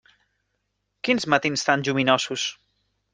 Quins matins tan lluminosos.